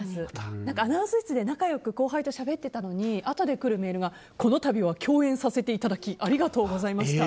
アナウンス室で仲良く後輩としゃべってたのにあとで来るメールがこの度は共演させていただきありがとうございました。